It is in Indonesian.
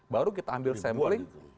baru kita ambil sampling